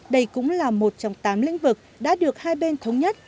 đây cũng là một trong tám lĩnh vực đã được hai bên thống nhất